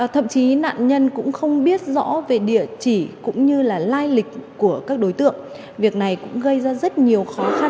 thậm chí nạn nhân cũng không biết rõ về địa chỉ cũng như là line link